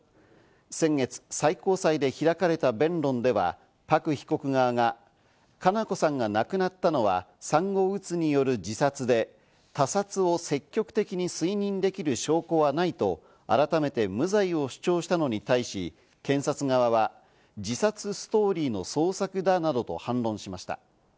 先月、最高裁で開かれた弁論では、パク被告側が佳菜子さんが亡くなったのは、産後うつによる自殺で他殺を積極的に推認できる証拠はないと改めて無罪を主張したのに対し、検察側は、自殺ストーリーの創作だなどと反論しました。